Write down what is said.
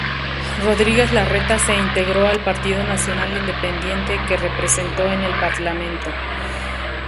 Rodríguez Larreta se integró al Partido Nacional Independiente, que representó en el Parlamento.